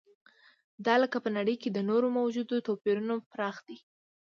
دا لکه په نړۍ کې د نورو موجودو توپیرونو پراخ دی.